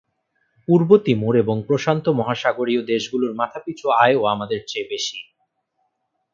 পূর্ব Timor এবং প্রশান্ত মহাসাগরীয় দেশগুলোর মাথাপিছু আয়ও আমাদের চেয়ে বেশি।